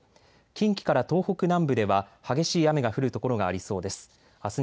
近畿から東北南部では激しい雨が降る所がありそうです。